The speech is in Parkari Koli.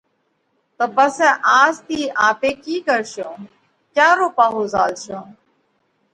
تو پسئہ آز ٿِي آپي ڪِي ڪرشون؟ ڪيا رو پاهو زهالشون